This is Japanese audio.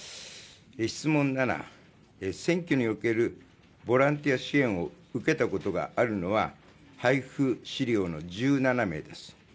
質問７、選挙におけるボランティア支援を受けたことがあるのは配布資料の１７名です。